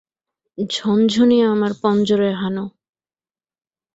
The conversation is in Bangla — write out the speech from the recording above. ঝঞ্ঝনিয়া আমার পঞ্জরে হানো।